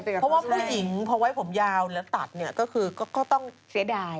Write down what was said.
เพราะว่าผู้หญิงพอไว้ผมยาวแล้วตัดก็ต้องเสียดาย